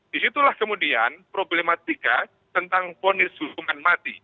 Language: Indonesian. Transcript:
disitulah kemudian problematika tentang ponis hukuman mati